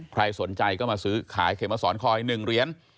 ใครสนใจก็มาซื้อขายเขมสอนคอย๑เหรียญ